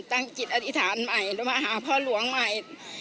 ตั้งจิตอธิษฐานใหม่แล้วมาหาพ่อหลวงใหม่